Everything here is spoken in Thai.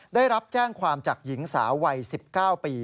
ได้รับแจ้งความจากหญิงสาววัย๑๙ปี